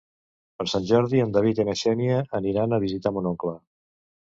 Per Sant Jordi en David i na Xènia aniran a visitar mon oncle.